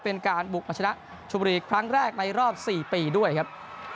เป็นการบุกมาชนะชมบุรีครั้งแรกในรอบ๔ปีด้วยครับ